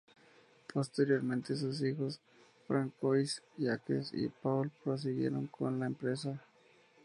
Posteriormente, sus hijos Francois, Jacques y Paul prosiguieron con la empresa.